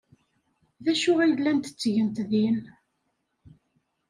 D acu ay llant ttgent din?